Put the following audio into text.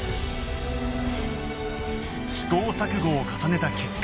試行錯誤を重ねた結果